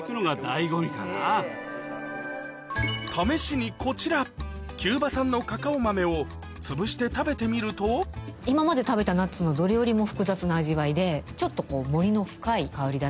試しにこちらキューバ産のカカオ豆をつぶして食べてみると今まで食べたナッツのどれよりも複雑な味わいでちょっとこう。